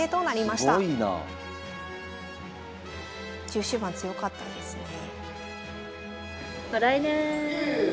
中終盤強かったですね。